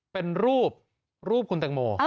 เป็นรูปคุณแต่งโม